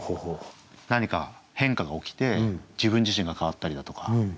何か変化が起きて自分自身が変わったりだとか。